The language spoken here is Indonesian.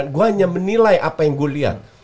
gue hanya menilai apa yang gue lihat